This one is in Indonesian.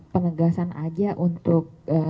pengegasan aja untuk